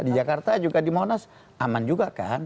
di jakarta juga di monas aman juga kan